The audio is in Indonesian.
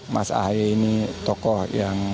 mas ahaye ini tokoh yang